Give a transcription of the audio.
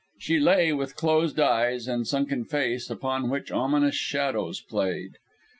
She lay with closed eyes, and sunken face upon which ominous shadows played.